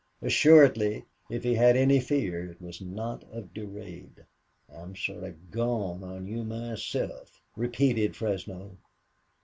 Assuredly, if he had any fear, it was not of Durade. "I'm sorta gone on you myself," repeated Fresno.